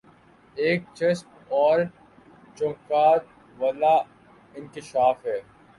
ایک چسپ اور چونکا د والا انکشاف ہے